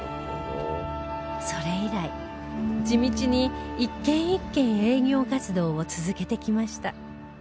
それ以来地道に一軒一軒営業活動を続けてきました